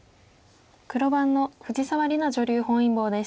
黒番の藤沢里菜女流本因坊です。